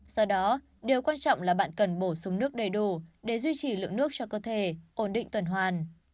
do đó điều quan trọng là bạn cần bổ sung nước đầy đủ để duy trì lượng nước cho cơ thể ổn định tuần hoàn